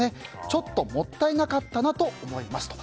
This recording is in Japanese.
ちょっともったいなかったなと思いますと。